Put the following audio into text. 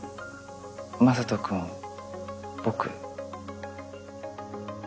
雅人君僕。